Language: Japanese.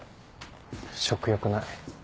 食欲ない。